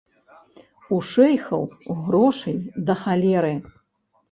У шэйхаў грошай да халеры.